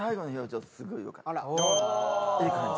いい感じ。